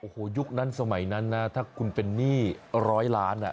โอ้โหยุคนั้นสมัยนั้นนะถ้าคุณเป็นหนี้ร้อยล้าน